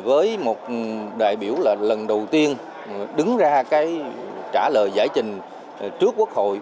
với một đại biểu là lần đầu tiên đứng ra cái trả lời giải trình trước quốc hội